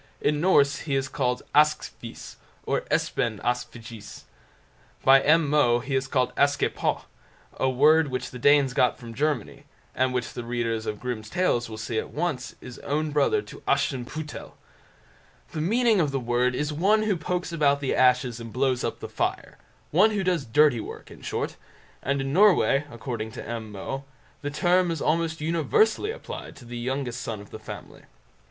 In Norse he is called "Askefis", or "Espen Askefjis". By M. Moe he is called "Askepot", a word which the Danes got from Germany, and which the readers of Grimm's Tales will see at once is own brother to Aschenpüttel. The meaning of the word is "one who pokes about the ashes and blows up the fire"; one who does dirty work in short; and in Norway, according to M. Moe, the term is almost universally applied to the youngest son of the family.